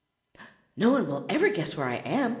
"Nobody'll ever guess where I am!"